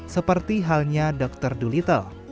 seperti halnya dr dolittle